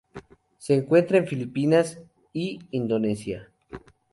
Se encuentra en Filipinas y Indonesia.